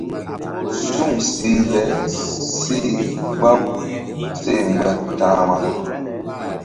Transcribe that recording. Suŋ sih le seh mgba ta̧hma.